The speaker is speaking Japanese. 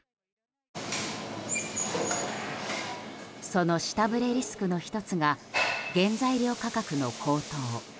その下振れリスクの１つが原材料価格の高騰。